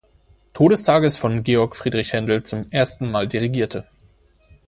Todestages von Georg Friedrich Händel zum ersten Mal dirigierte.